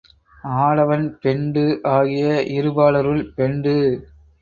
ஆடவன் பெண்டு ஆகிய இருபாலருள், பெண்டு